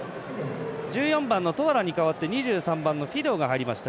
１４番のトアラに代わって２３番のフィドウが入りました。